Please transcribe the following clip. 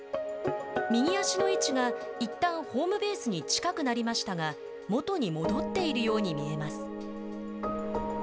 右足の位置がいったん、ホームベースに近くなりましたが元に戻っているように見えます。